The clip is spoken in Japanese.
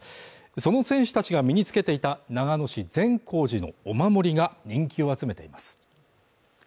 その選手たちが身につけていた長野市善光寺のお守りが人気を集めています。